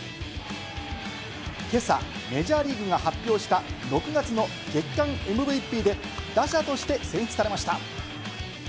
今朝メジャーリーグが発表した６月の月間ＭＶＰで、打者として選出されました。